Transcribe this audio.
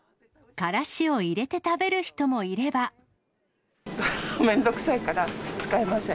カラシを入れて食べる人もいめんどくさいから使いません。